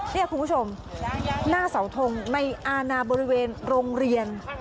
นี่คุณผู้ชมหน้าเสาทงในอาณาบริเวณโรงเรียน